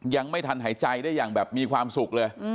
ยังไม่ทันหายใจได้อย่างแบบมีความสุขเลย